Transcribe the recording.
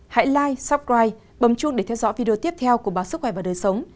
hãy like subscribe bấm chuông để theo dõi video tiếp theo của báo sức khỏe và đời sống